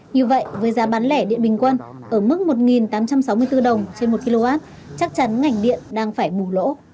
như vậy với giá bán lẻ điện bình quân ở mức một tám trăm sáu mươi bốn đồng trên một kw chắc chắn ngành điện đang phải bù lỗ